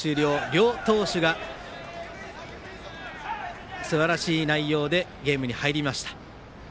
両投手が、すばらしい内容でゲームに入りました。